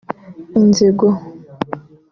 Inzigo